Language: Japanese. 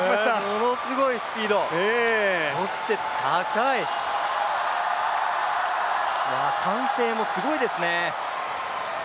ものすごいスピード、そして高い、歓声もすごいですね。